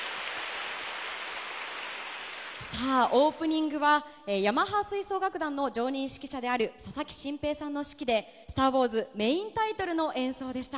オープニングはヤマハ吹奏楽団の常任指揮者である佐々木新平さんの指揮で「スター・ウォーズ」メインタイトルの演奏でした。